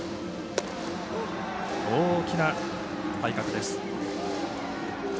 大きな体格です。